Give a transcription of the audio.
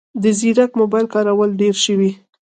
د ځیرک موبایل کارول ډېر شوي